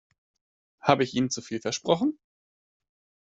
Habe ich Ihnen zu viel versprochen?